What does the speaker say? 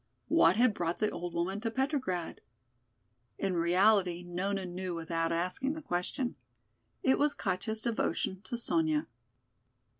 What had brought the old woman to Petrograd? In reality Nona knew without asking the question. It was Katja's devotion to Sonya.